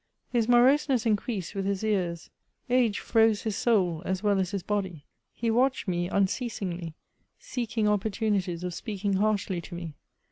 His moroseness increased 'i^th his years ; age froze his soul as well as his body; he watched me unceasingly, seeking opportunities of speaking harshly to me.